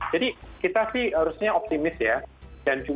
jadi kita sih harusnya optimis ya